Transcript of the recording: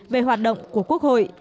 về hoạt động của quốc hội